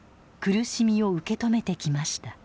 苦しみを受け止めてきました。